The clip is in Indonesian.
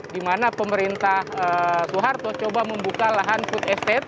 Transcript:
dimana pemerintah soeharto coba membuka lahan food estate